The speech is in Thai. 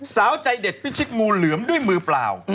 สาวใจเด็ดพิชิตงูเหลือมด้วยมือเปล่า